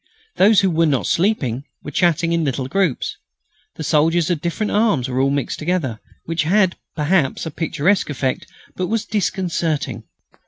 Those who were not sleeping were chatting in little groups. The soldiers of different arms were all mixed together, which had, perhaps, a picturesque effect, but was disconcerting.